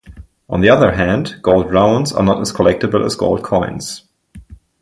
On the other hand, gold rounds are not as collectible as gold coins.